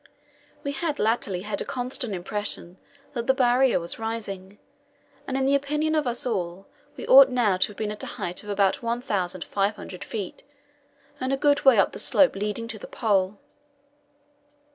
We had latterly had a constant impression that the Barrier was rising, and in the opinion of all of us we ought now to have been at a height of about 1,500 feet and a good way up the slope leading to the Pole.